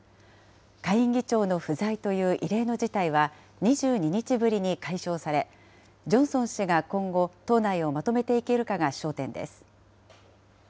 下院議長の不在という異例の事態は、２２日ぶりに解消され、ジョンソン氏が今後、党内をまとめていけるかが焦点です。